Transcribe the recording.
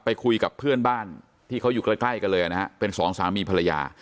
ไปคุยกับเพื่อนบ้านที่เขาอยู่ใกล้กันเลยนะฮะเป็นสองสามีภรรยา